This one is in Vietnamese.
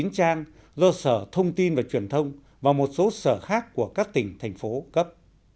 hai một trăm bảy mươi chín trang do sở thông tin và truyền thông và một số sở khác của các tỉnh thành phố cấp